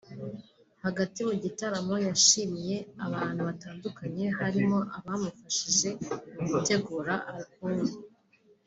Hagati mu gitaramo yashimiye abantu batandukanye harimo abamufashije mu gutegura album